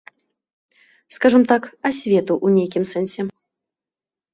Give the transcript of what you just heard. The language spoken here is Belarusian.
Скажам так, асвету ў нейкім сэнсе.